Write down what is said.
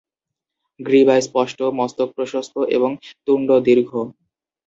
গ্রীবা স্পষ্ট, মস্তক প্রশস্ত এবং তুন্ড দীর্ঘ।